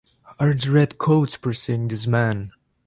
Are the redcoats pursuing this man?